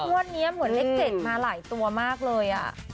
งวดนี้เหมือนเลข๗มาหลายตัวมากเลย